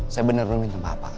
saya bener minta maaf pak